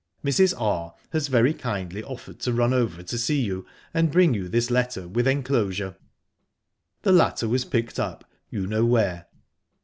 Mrs. R. has very kindly offered to run over to see you and bring you this letter with enclosure. The latter was picked up you know where.